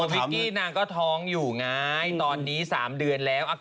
วิกกี้นางก็ท้องอยู่ไงตอนนี้๓เดือนแล้ว